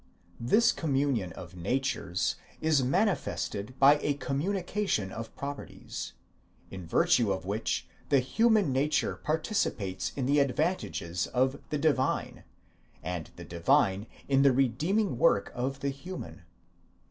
This communion of natures, communio naturarum, is manifested by a communication of properties, communicatio idiomatum, in virtue of which the human nature participates in the advantages. of the divine, and the divine in the redeeming work of the human.